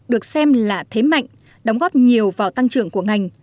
được xem là thế mạnh đóng góp nhiều vào tăng trưởng của ngành